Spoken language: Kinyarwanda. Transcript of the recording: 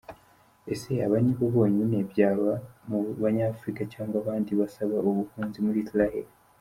Ese aba ni bo bonyine, byaba mu Banyafrica cg abandi, basaba ubuhunzi muri Israel ?